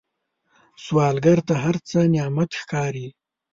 سوالګر ته هر څه نعمت ښکاري